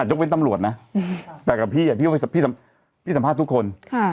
อาจลกเป็นตำรวจนะแต่กับพี่พี่ต้องไปสัมภาษณ์ทุกคน